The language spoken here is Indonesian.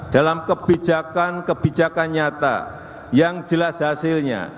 dalam kebijakan kebijakan nyata yang jelas hasilnya